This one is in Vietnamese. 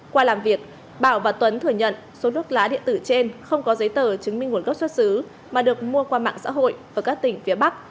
qua làm việc bảo và tuấn thừa nhận số thuốc lá điện tử trên không có giấy tờ chứng minh nguồn gốc xuất xứ mà được mua qua mạng xã hội ở các tỉnh phía bắc